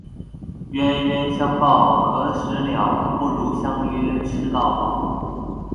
冤冤相報何時了，不如相約吃到飽